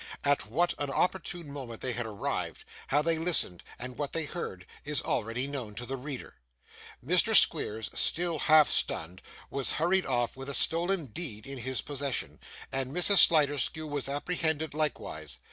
At what an opportune moment they arrived, how they listened, and what they heard, is already known to the reader. Mr Squeers, still half stunned, was hurried off with a stolen deed in his possession, and Mrs. Sliderskew was apprehended likewise.